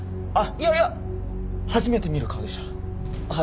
いやいや初めて見る顔でした。